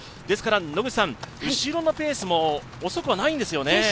ですから、野口さん後ろのペースも遅くはないんですよね？